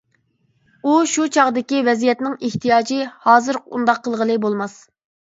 ئۇ، شۇ چاغدىكى ۋەزىيەتنىڭ ئېھتىياجى، ھازىر ئۇنداق قىلغىلى بولماس.